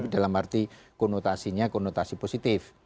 jadi konotasinya konotasi positif